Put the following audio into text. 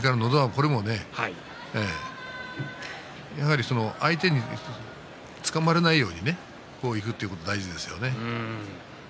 これもやはり相手につかまらないようにいくということが大事ですよね。